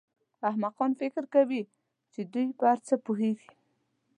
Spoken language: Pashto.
احمقان فکر کوي چې دوی په هر څه پوهېږي.